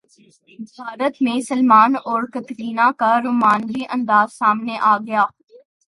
بھارت میں سلمان اور کترینہ کا رومانوی انداز سامنے اگیا